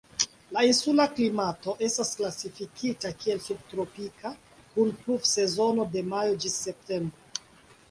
La insula klimato estas klasifikita kiel subtropika, kun pluvsezono de majo ĝis septembro.